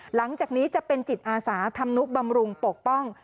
หลังจากนี้จะเป็นจิตอาสาธรรมนุบำรุงปกป้อง